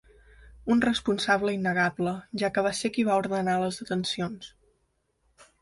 Un responsable innegable, ja que va ser qui va ordenar les detencions.